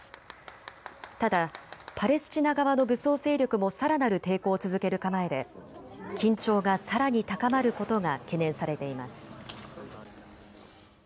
ただパレスチナ側の武装勢力もさらなる抵抗を続ける構えで緊張がさらに高まることが懸念されています。